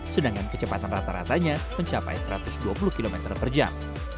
sedangkan kecepatan rata ratanya mencapai satu ratus dua puluh km per jam